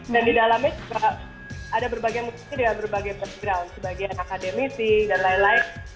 dan di dalamnya ada berbagai muslim dengan berbagai background sebagian akademisi dan lain lain